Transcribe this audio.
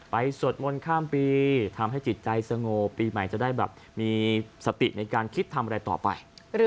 สวดมนต์ข้ามปีทำให้จิตใจสงบปีใหม่จะได้แบบมีสติในการคิดทำอะไรต่อไป